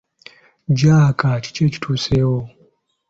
Jaaka kiki ekituseewo?